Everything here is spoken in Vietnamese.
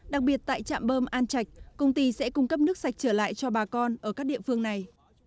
đặc biệt tại trạm bơm an trạch công ty sẽ cung cấp nước sạch trở lại cho bà con ở các địa phương này